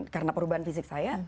karena perubahan fisik saya